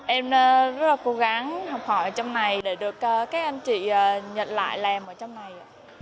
em rất là cố gắng học hỏi ở trong này để được các anh chị nhận lại làm ở trong này